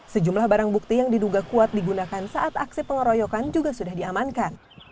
sejumlah barang bukti yang diduga kuat digunakan saat aksi pengeroyokan juga sudah diamankan